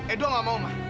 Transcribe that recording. edo gak mau ma